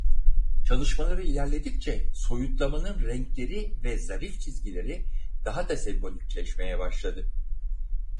Çalışmaları ilerledikçe soyutlamanın renkleri ve zarif çizgileri daha da sembolikleşmeye başladı.